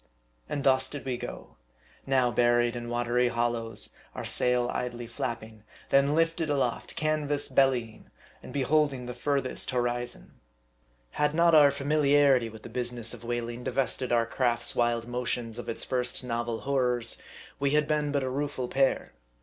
And thus did we go. Now buried in watery hollows our sail idly flapping ; then lifted aloft canvas bellying ; and beholding the furthest horizon. Had not our familiarity with the business of whaling divested our craft's wild motions of its first novel horrors, we had been but a rueful pair.